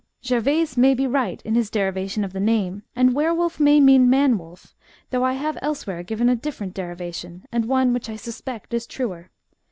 Gervaise may be right in his derivation of the name, and were wolf may mean man wolf, though I have elsewhere given a diflferent derivation, and one which I suspect is truer.